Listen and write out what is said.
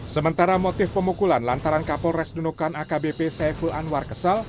sementara motif pemukulan lantaran kapolres nunukan akbp saiful anwar kesal